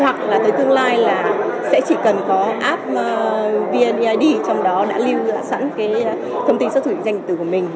hoặc là tới tương lai là sẽ chỉ cần có app vneid trong đó đã lưu sẵn thông tin xác thực định danh tử của mình